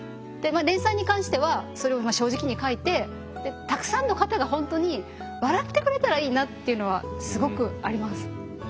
連載に関してはそれを正直に書いてたくさんの方が本当に笑ってくれたらいいなっていうのはすごくあります。